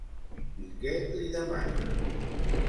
I què li demana?